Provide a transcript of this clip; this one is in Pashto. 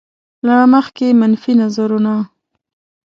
له مخکې منفي نظرونه.